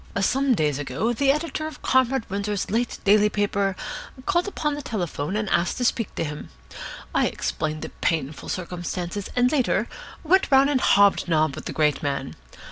Some days ago the editor of Comrade Windsor's late daily paper called up on the telephone and asked to speak to him. I explained the painful circumstances, and, later, went round and hob nobbed with the great man.